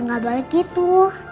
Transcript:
nggak balik gitu